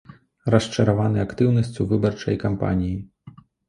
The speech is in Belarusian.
Расчараваны актыўнасцю выбарчай кампаніі.